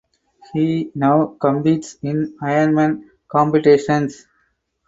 He now competes in Ironman competitions.